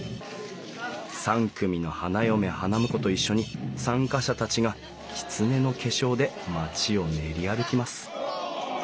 ３組の花嫁花婿と一緒に参加者たちがきつねの化粧で町を練り歩きます。